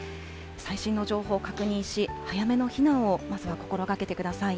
最新の情報確認し、早めの避難を、まずは心がけてください。